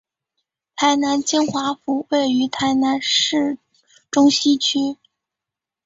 台南金华府位于台南市中西区。